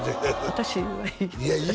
「私」